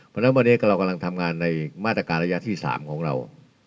เพราะฉะนั้นวันนี้เรากำลังทำงานในมาตรการระยะที่๓ของเรา